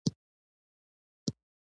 مېلمه ته د بښنې غېږ ورکړه.